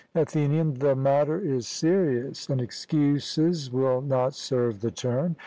ATHENIAN: The matter is serious, and excuses will not serve the turn.